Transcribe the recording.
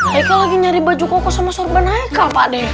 haikal lagi nyari baju koko sama sorban haikal pak deng